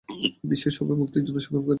বিশ্বে সবই মুক্তির জন্য সংগ্রাম করিতেছে।